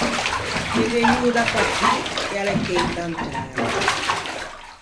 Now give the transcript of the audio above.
Gh’é vegnuo da patî e a l’é cheita in tæra.